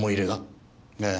ええ。